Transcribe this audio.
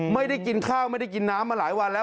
ไม่ได้กินข้าวไม่ได้กินน้ำมาหลายวันแล้ว